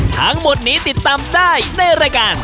ทั้งหมดนี้ติดตามได้ในรายการ